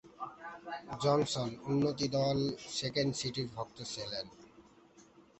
Johnson উন্নতি দল second সিটির ভক্ত ছিলেন।